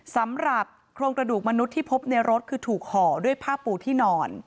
สำหรับโครงกระดูกมนุษย์ที่พบในรถคือถูกห่อด้วยผ้าปูที่นอน